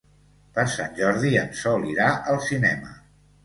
Per Sant Jordi en Sol irà al cinema.